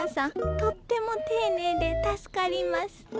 とっても丁寧で助かります。